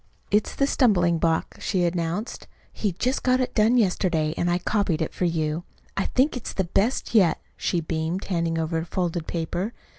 "It's 'The Stumbling Block,'" she announced. "He just got it done yesterday, an' I copied it for you. I think it's the best yet," she beamed, handing over a folded paper.